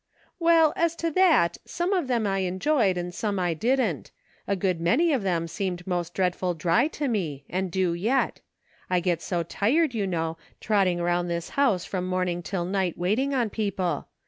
" Well, as to that, some of them I enjoyed and some I didn't. A good many of them seemed most dreadful dry to me, and do yet ; I get so tired, you know, trotting around this house from morning till night waiting on people.